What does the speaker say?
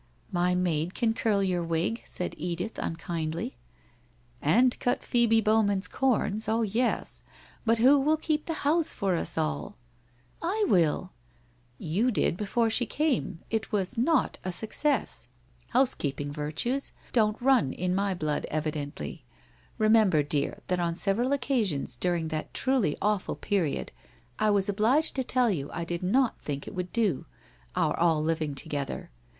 'My maid can curl your wig/ said Edith, unkindly. 'And cut Phoebe Bowman's corns, oh, yes! But who will keep the house for us all?' '1 will. 1 ' You did kfurc she came. It wuh not a success. Houi I 180 WHITE ROSE OF WEARY LEAF keeping virtues don't run in my blood evidently. Remem ber, dear, that on several occasions during thai truly awful period I was obliged to tell you I did not think it would do — our all living together.